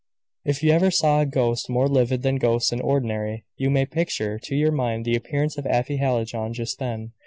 If you ever saw a ghost more livid than ghosts in ordinary, you may picture to your mind the appearance of Afy Hallijohn just then.